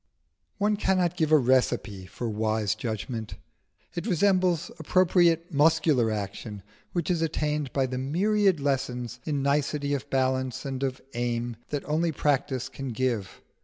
One cannot give a recipe for wise judgment: it resembles appropriate muscular action, which is attained by the myriad lessons in nicety of balance and of aim that only practice can give.